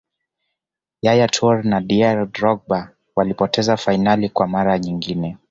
yaya toure na didier drogba walipoteza fainali kwa mara nyingine